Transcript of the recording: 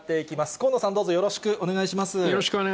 河野さん、どうぞよろしくお願い